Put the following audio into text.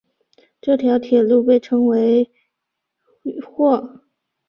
这条铁路被称为或。